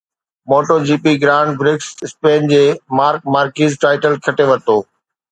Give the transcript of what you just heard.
MotoGP grand prix Spain جي Marc Marquez title کٽي ورتو